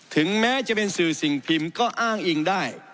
ถึงแม้จะเป็นสื่อสิ่งพิมพ์ก็อ้างอิงได้